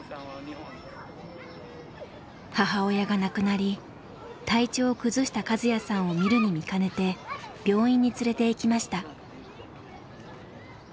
母親が亡くなり体調を崩したカズヤさんを見るに見かねて病院に連れていきました。